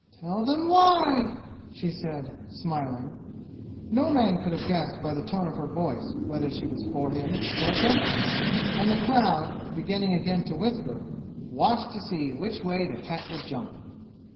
"Tell them why!" she said, smiling. No man could have guessed by the tone of her voice whether she was for him or against him, and the crowd, beginning again to whisper, watched to see which way the cat would jump.